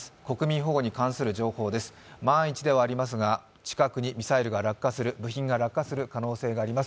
万一ではありますが、近くにミサイルが落下する部品が落下する可能性があります。